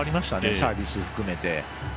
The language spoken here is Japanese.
サービス含めて。